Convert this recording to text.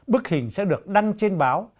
bức hình sẽ được đăng trên báo